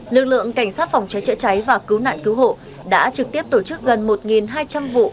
lực lượng cảnh sát phòng cháy chữa cháy và cứu nạn cứu hộ đã trực tiếp tổ chức gần một hai trăm linh vụ